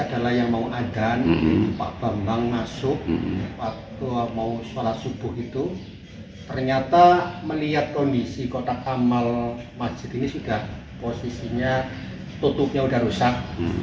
kalau mau sholat subuh itu ternyata melihat kondisi kotak amal masjid ini sudah posisinya tutupnya sudah rusak